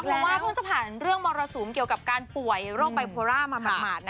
เพราะว่าเพิ่งจะผ่านเรื่องมรสุมเกี่ยวกับการป่วยโรคไบโพร่ามาหมาดนะ